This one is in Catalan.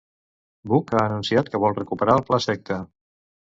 Buch ha anunciat que vol recuperar el Plaseqta.